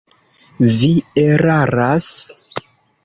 Vi eraras!